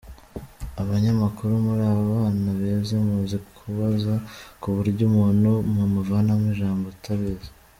Abanyamakuru muri abana beza muzi kubaza ku buryo umuntu mumuvanamo ijambo atabizi.